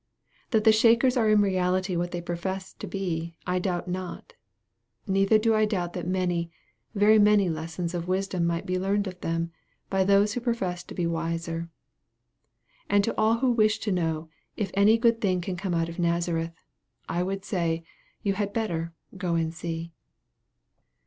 That the Shakers are in reality what they profess to be, I doubt not. Neither do I doubt that many, very many lessons of wisdom might be learned of them, by those who profess to be wiser. And to all who wish to know if "any good thing can come out of Nazareth," I would say, you had better "go and see."